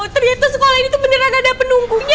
ternyata sekolah ini tuh beneran ada penumpunya